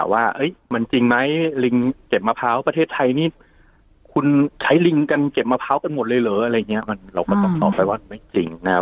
ว่ามันจริงไหมลิงเจ็บมะพร้าวประเทศไทยนี่คุณไทยลิงเจ็บมะพร้าวกันหมดเลยเหรอเราก็ตอบไปว่าไม่จริงนะครับ